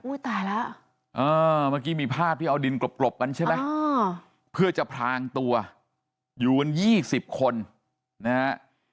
ตายแล้วเมื่อกี้มีภาพที่เอาดินกลบกันใช่ไหมเพื่อจะพรางตัวอยู่กัน๒๐คนนะฮะ